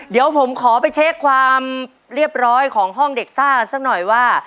เดี๋ยวผมขอไปเช็คความเรียบร้อยของห้องเด็กซ่าสักหน่อยว่า